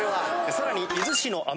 さらに。